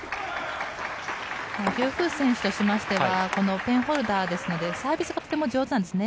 フー・ユー選手としてはペンホルダーですのでサービスがとっても上手なんですね。